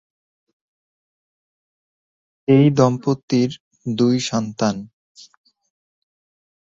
এই দম্পতির দুই সন্তান।